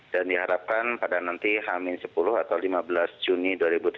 dan diharapkan pada nanti hamil sepuluh atau lima belas juni dua ribu tujuh belas